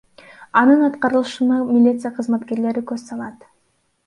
Анын аткарылышына милиция кызматкерлери көз салат.